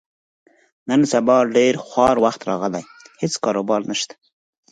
نن سبا ډېر خوار وخت راغلی، هېڅ کاروبار نشته.